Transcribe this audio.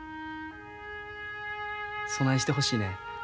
そないしてほしいねん。